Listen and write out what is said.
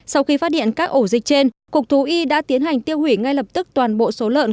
sau khi phát hiện các ổ dịch trên cục thú y đã tiến hành tiêu hủy ngay lập tức toàn bộ số lợn